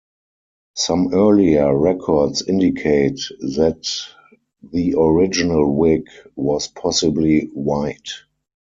Some earlier records indicate that the original wig was possibly white.